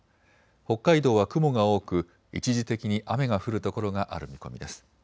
北海道は雲が多く一時的に雨が降る所がある見込みです。